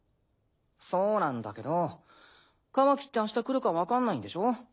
そうなんだけどカワキって明日来るかわかんないんでしょ？